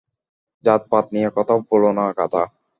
জাত-পাত নিয়ে কথা বোলো না, গাধা!